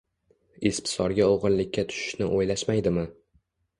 Ispisorga o‘g‘irlikka tushishni o‘ylashmaydimi